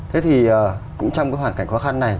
thì cũng trong cái hoàn cảnh khó khăn này